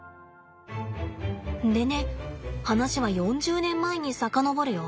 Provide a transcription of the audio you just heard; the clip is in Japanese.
でね話は４０年前に遡るよ。